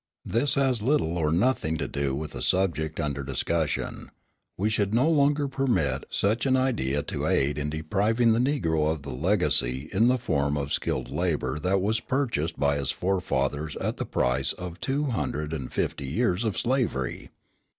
This has little or nothing to do with the subject under discussion; we should no longer permit such an idea to aid in depriving the Negro of the legacy in the form of skilled labour that was purchased by his forefathers at the price of two hundred and fifty years of slavery.